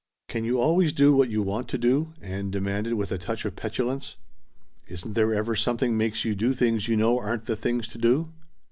"Can you always do what you want to do?" Ann demanded with a touch of petulance. "Isn't there ever something makes you do things you know aren't the things to do?"